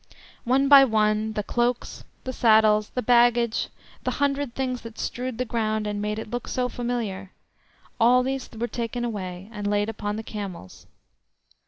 One by one the cloaks, the saddles, the baggage, the hundred things that strewed the ground and made it look so familiar—all these were taken away and laid upon the camels.